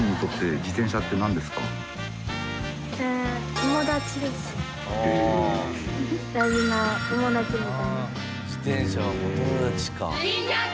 自転車は友達か。